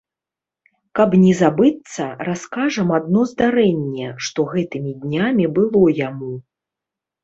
Каб не забыцца, раскажам адно здарэнне, што гэтымі днямі было яму.